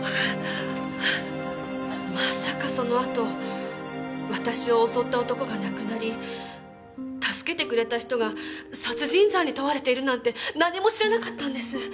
まさかそのあと私を襲った男が亡くなり助けてくれた人が殺人罪に問われているなんて何も知らなかったんです。